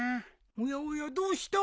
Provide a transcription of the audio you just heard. おやおやどうした？